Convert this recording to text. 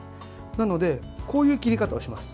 なので、こういう切り方をします。